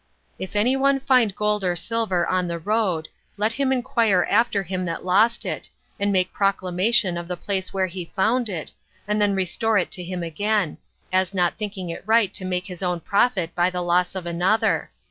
29. If any one find gold or silver on the road, let him inquire after him that lost it, and make proclamation of the place where he found it, and then restore it to him again, as not thinking it right to make his own profit by the loss of another.